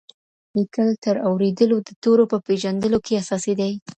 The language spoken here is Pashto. لیکل تر اورېدلو د تورو په پېژندلو کې اساسي دي.